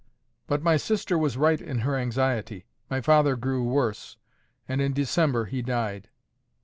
But my sister was right in her anxiety. My father grew worse, and in December he died.